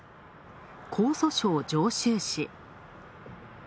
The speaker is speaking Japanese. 江蘇省・常州市。